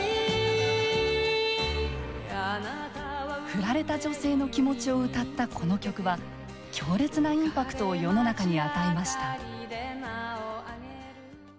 振られた女性の気持ちを歌ったこの曲は強烈なインパクトを世の中に与えました。